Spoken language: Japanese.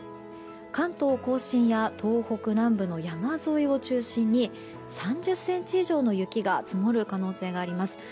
関東・甲信や東北南部の山沿いを中心に３０ｃｍ以上の雪が積もる可能性があります。